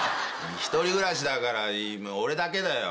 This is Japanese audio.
一人暮らしだから俺だけだよ。